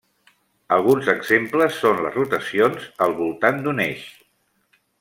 Alguns exemples són les rotacions al voltant d'un eix.